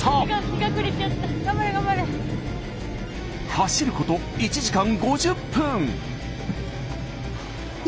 走ること１時間５０分。